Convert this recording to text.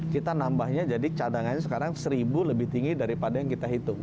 kita nambahnya jadi cadangannya sekarang seribu lebih tinggi daripada yang kita hitung